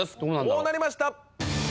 こうなりました！